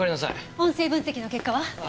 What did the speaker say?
音声分析の結果は？